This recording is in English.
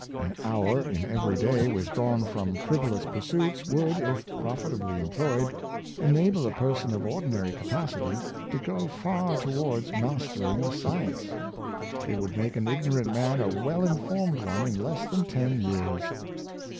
A.n hour in every day withdrawn from frivolous pur Hie Value of Time. 259 suits would, if profitably employed, enable a person of ordinary capacity to go far towards mastering a science. It would make an ignorant man a well in formed one in less than ten years.